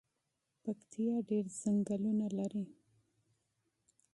پکتیا ډیر ځنګلونه لري